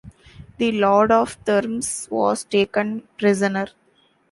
The lord of Thermes was taken prisoner.